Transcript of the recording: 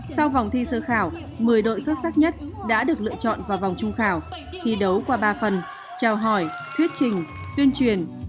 sau vòng thi sơ khảo một mươi đội xuất sắc nhất đã được lựa chọn vào vòng trung khảo thi đấu qua ba phần trao hỏi thuyết trình tuyên truyền